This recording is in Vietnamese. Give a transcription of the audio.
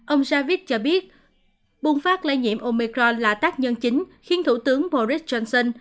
ông javid cho biết bùng phát lây nhiễm omicron là tác nhân chính khiến thủ tướng boris johnson